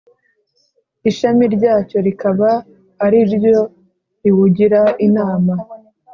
ishami ryacyo rikaba ari ryo riwugira inama.